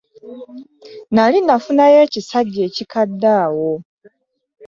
Nnali nafunayo ekisajja ekikadde awo.